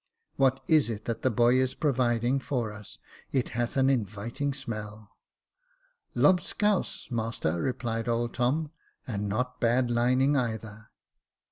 What is it that the boy is providing for us ? It hath an inviting smell." "Lobscouse, master," replied old Tom, "and not bad lining either."